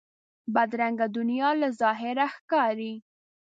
بدرنګه دنیا له ظاهره ښکاري